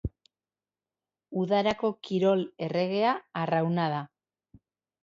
Udarako kirol erregea arrauna da.